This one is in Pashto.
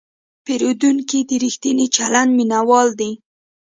پیرودونکی د ریښتیني چلند مینهوال دی.